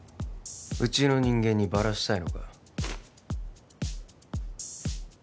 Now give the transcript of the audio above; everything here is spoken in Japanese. うちの人間にバラしたいのか？